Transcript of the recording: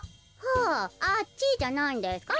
はああっちじゃないんですか？